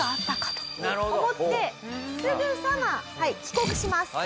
と思ってすぐさま帰国します。